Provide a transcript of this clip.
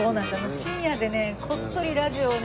深夜でねこっそりラジオをね